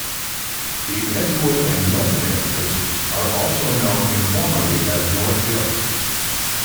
The Edgewood and Milton areas are also known informally as North Hill.